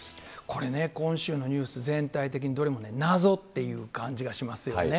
これね、今週のニュース、全体的にどれも謎っていう感じがしますよね。